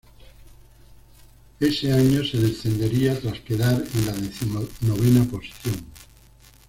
Ese año se descendería tras quedar en la decimonovena posición.